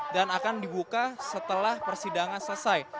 dan akan dibuka setelah persidangan selesai